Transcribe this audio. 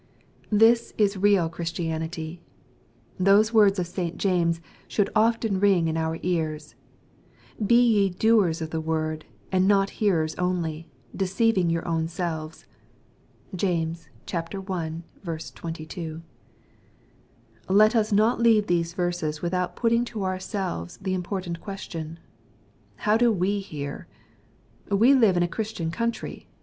This is real Ohristianitj. Those words of St. James should often ring in our ears, " Be ye doers of the word, and not hearers only, deceiv ing your own selves." (James i. 22.) Let us not leave these verses without putting to our selves the important question, " How do we hear ?" We live in a Christian country.